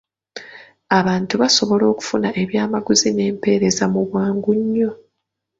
Abantu basobola okufuna ebyamaguzi n'empereza mu bwangu nnyo.